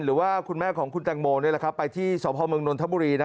หรือว่าคุณแม่ของคุณแต่งโมนี่แหละครับไปที่เฉพาะเมืองนทบุรีนะ